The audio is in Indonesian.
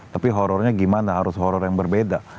tapi horrornya gimana harus horror yang berbeda